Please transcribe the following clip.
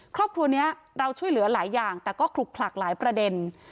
ครอบครัวนี้เราช่วยเหลือหลายอย่างแต่ก็ขลุกขลักหลายประเด็น